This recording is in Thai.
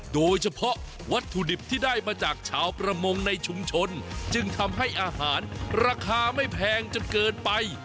โดยเฉพาะวัตถุดิบที่ได้มาจากชาวประมงในชุมชนจึงทำให้อาหารราคาไม่แพงจนเกินไป